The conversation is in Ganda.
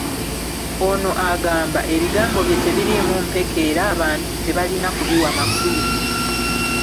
Ono agamba ebigambo bye tebiriimu mpeke era abantu tebalina kubiwa makulu.